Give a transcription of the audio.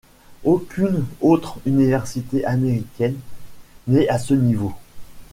Aucune autre université américaine n'est à ce niveau.